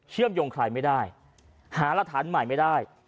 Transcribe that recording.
เชื่อมโยงใครไม่ได้หารักฐานใหม่ไม่ได้